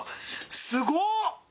すごっ！